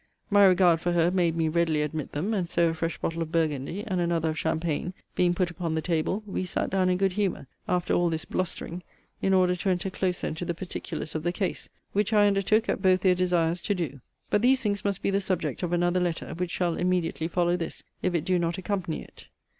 My regard for her made me readily admit them: and so a fresh bottle of Burgundy, and another of Champagne, being put upon the table, we sat down in good humour, after all this blustering, in order to enter closer into the particulars of the case: which I undertook, at both their desires, to do. But these things must be the subject of another letter, which shall immediately follow this, if it do not accompany it.